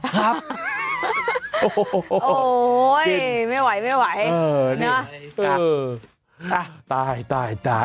ครับโอ้โฮไม่ไหวเนอะอ่าตายตายตาย